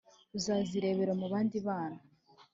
uzaba irebero mu bandi bana